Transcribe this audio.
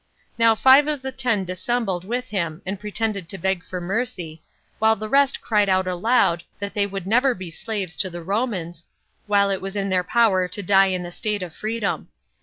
Now five of the ten dissembled with him, and pretended to beg for mercy, while the rest cried out aloud that they would never be slaves to the Romans, while it was in their power to die in a state of freedom.